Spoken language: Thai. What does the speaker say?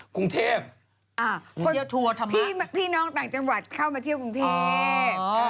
กรุงเทพฯกรุงเที่ยวทัวร์ธรรมะอ่าพี่น้องต่างจังหวัดเข้ามาเที่ยวกรุงเทพฯ